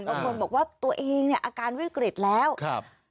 บางคนบอกว่าตัวเองเนี่ยอาการวิกฤตแล้วครับ